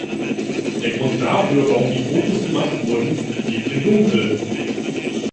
Der Grund dafür, warum die Fotos gemacht wurden, liegt im Dunkel.